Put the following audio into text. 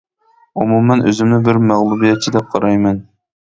ئومۇمەن ئۆزۈمنى بىر مەغلۇبىيەتچى دەپ قارايمەن.